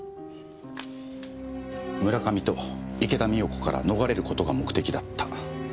村上と池田美代子から逃れることが目的だった。